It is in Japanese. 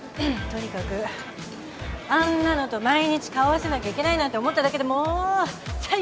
とにかくあんなのと毎日顔合わせなきゃいけないなんて思っただけでもう最悪！